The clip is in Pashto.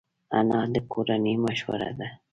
انا د کورنۍ مشوره ده